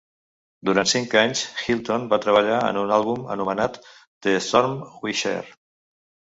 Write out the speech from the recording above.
Durant cinc anys, Hilton va treballar en un àlbum anomenat "The Storms We Share".